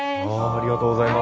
ありがとうございます。